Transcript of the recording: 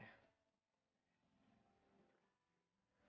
ya udah diam playing time